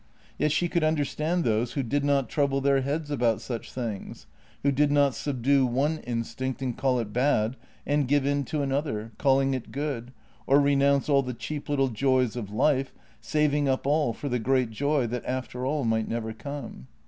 Yet she could understand those who did not trouble their heads about such things; who did not subdue one instinct and call it bad, and give in to another, calling it good, or renounce all the cheap little joys of life, saving up all for the great joy that after all might never come.